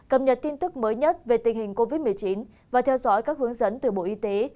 cập nhật tin tức mới nhất về tình hình covid một mươi chín và theo dõi các hướng dẫn từ bộ y tế